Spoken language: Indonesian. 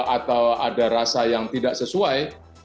atau ada rasa yang tidak sesuai